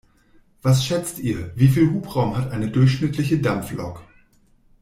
Was schätzt ihr, wie viel Hubraum hat eine durchschnittliche Dampflok?